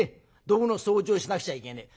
どぶの掃除をしなくちゃいけねえ。